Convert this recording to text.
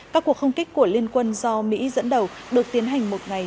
các cuộc không kích của liên quân do mỹ dẫn đầu được tiến hành một ngày